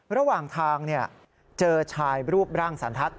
ระหว่างทางเจอชายรูปร่างสันทัศน